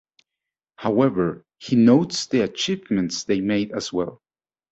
However, he notes the achievements they made as well.